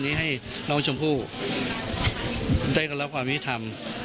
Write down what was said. อย่างน้อยก็อย่างให้จังหวัดจับคนร้ายได้ก่อนนะครับ